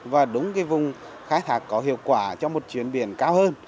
và đúng vùng khai thác có hiệu quả cho một chuyến biển cao hơn